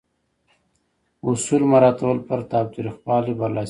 اصول مراعاتول پر تاوتریخوالي برلاسي کیږي.